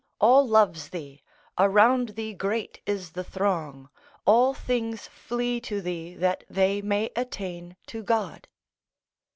all loves thee; around thee great is the throng. All things flee to thee that they may attain to God."